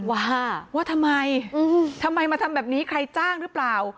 ว่าว่าทำไมทำไมมาทำแบบนี้ใครจ้างหรือเปล่า